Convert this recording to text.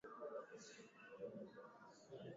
zitaheshimu na kukubali matokeo ya kura hiyo ya maamuzii